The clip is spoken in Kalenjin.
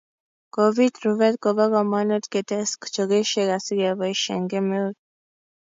Ngobit rubet kobo komonut ketes chogesiek asikeboisie eng kemeut